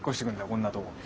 こんなとこ。